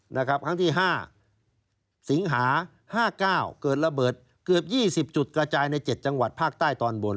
ครั้งที่๕สิงหา๕๙เกิดระเบิดเกือบ๒๐จุดกระจายใน๗จังหวัดภาคใต้ตอนบน